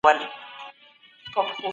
رومي لښکر په زيات شمير کي راټول سوی و.